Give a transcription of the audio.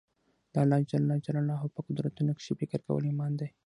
د الله جل جلاله په قدرتونو کښي فکر کول ایمان دئ.